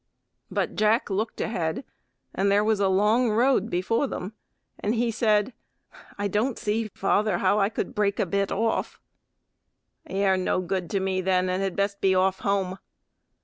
But Jack looked ahead and there was a long road before them, and he said, "I don't see, father, how I could break a bit off." "You're no good to me, then, and had best be off home."